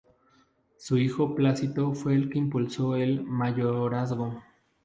Su hijo Plácido fue el que impulsó el mayorazgo.